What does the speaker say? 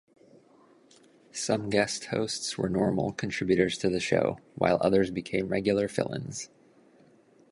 Some guest hosts were normal contributors to the show, while others became regular fill-ins.